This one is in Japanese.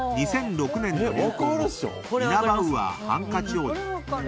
２００６年の流行語イナバウアー、ハンカチ王子。